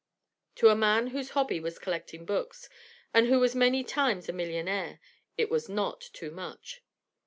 To a man whose hobby was collecting books, and who was many times a millionaire, it was not too much.